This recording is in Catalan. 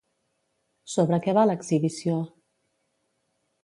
Sobre què va l'exhibició?